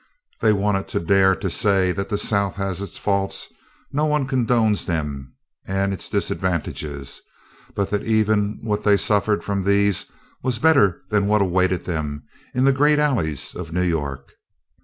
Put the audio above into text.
They wanted to dare to say that the South has its faults no one condones them and its disadvantages, but that even what they suffered from these was better than what awaited them in the great alleys of New York.